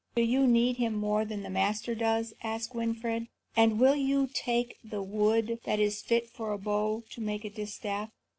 "Do you need him more than the Master does?" asked Winfried; "and will you take the wood that is fit for a bow to make a distaff?"